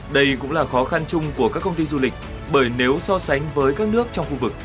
đây cũng là khó khăn chung của các công ty du lịch bởi nếu so sánh với các nước trong khu vực